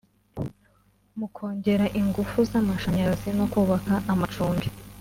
mu kongera ingufu z’amashanyarazi no kubaka amacumbi